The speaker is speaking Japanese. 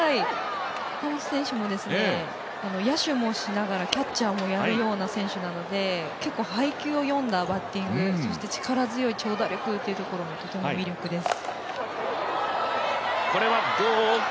坂本選手も、野手もしながらキャッチャーもやるような選手なので結構、配球を読んだバッティングそして力強い長打力というところが、とても魅力的です。